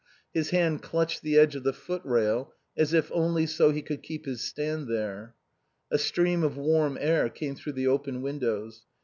His hand clutched the edge of the footrail as if only so he could keep his stand there. A stream of warm air came through the open windows.